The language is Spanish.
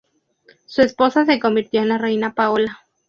Su esposa se convirtió en la reina Paola.